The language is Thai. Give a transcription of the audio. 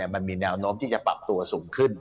มันมีแนวโน้มที่จะปรับตัวสูงขึ้น